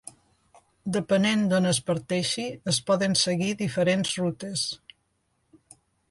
Depenent d'on es parteixi es poden seguir diferents rutes.